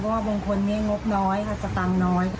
เพราะว่าบรงคลนี้งบน้อยศตังค์น้อย